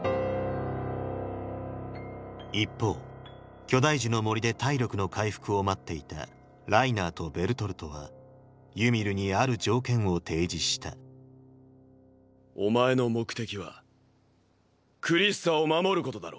一方巨大樹の森で体力の回復を待っていたライナーとベルトルトはユミルにある条件を提示したお前の目的はクリスタを守ることだろ？